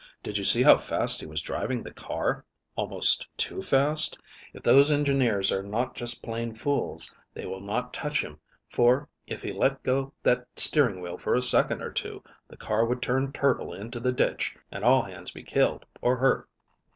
Did you see how fast he was driving the car almost too fast? If those engineers are not just plain fools, they will not touch him, for, if he let go that steering wheel for a second or two, the car would turn turtle into the ditch and all hands be killed or hurt."